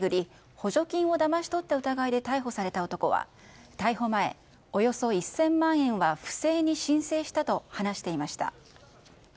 補助金をだまし取った疑いで逮捕された男は逮捕前、およそ１０００万円は不正に申請したと話していました。